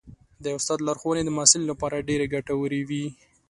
د استاد لارښوونې د محصل لپاره ډېرې ګټورې وي.